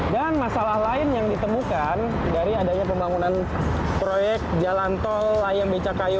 dan masalah lain yang ditemukan dari adanya pembangunan proyek jalan tol layang becakayu